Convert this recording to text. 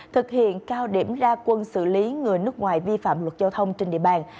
thực hiện cao điểm ra quân xử lý người nước ngoài vi phạm luật giao thông trên địa bàn